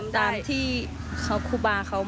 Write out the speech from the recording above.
ยึดมั่นในหลักธรรมที่พระครูบาบุญชุมท่านได้สอนเอาไว้ค่ะ